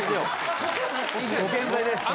ご健在ですから。